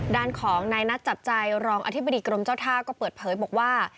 ด้านของนายนัดจับใจรองอธิบดีกรมเจ้าท่าก็เปิดเผยบอกว่า